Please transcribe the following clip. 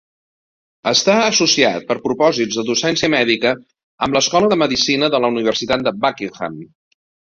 Està associat per propòsits de docència mèdica amb l'escola de medicina de la Universitat de Buckingham.